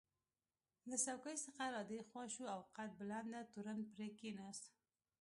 له څوکۍ څخه را دې خوا شو او قد بلنده تورن پرې کېناست.